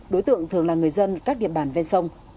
đối tượng thường là người dân các địa bàn ven sông